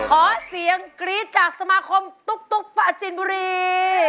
ขอเสียงกรี๊ดจากสมาคมตุ๊กปาจินบุรี